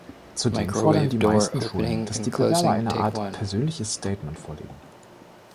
Zudem fordern die meisten Schulen, dass die Bewerber eine Art „persönliches Statement“ vorlegen.